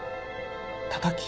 たたき？